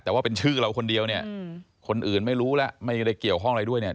แต่ว่าเป็นชื่อเราคนเดียวเนี่ยคนอื่นไม่รู้แล้วไม่ได้เกี่ยวข้องอะไรด้วยเนี่ย